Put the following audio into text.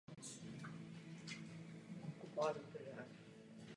Téhož roku také během revoluce vstoupil do studentské legie.